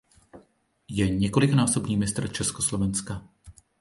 Je několikanásobný mistr československa.